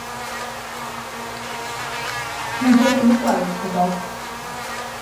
Wnaiff e ddim gweld pobl.